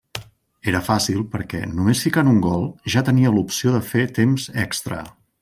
Era fàcil perquè, només ficant un gol, ja tenia l'opció de fer temps extra.